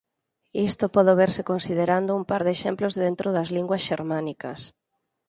Isto pode verse considerando un par de exemplos dentro das linguas xermánicas.